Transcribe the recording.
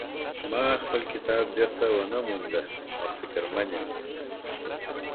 ما خپل کتاب بیرته ونه مونده او فکرمن یم